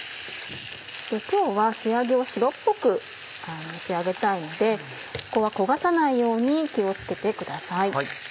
今日は仕上げを白っぽく仕上げたいのでここは焦がさないように気を付けてください。